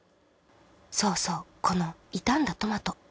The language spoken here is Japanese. そうそうこの傷んだトマト。